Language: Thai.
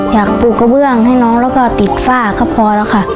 ปลูกกระเบื้องให้น้องแล้วก็ติดฝ้าก็พอแล้วค่ะ